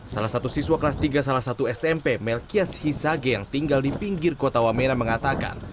salah satu siswa kelas tiga salah satu smp melkias hisage yang tinggal di pinggir kota wamena mengatakan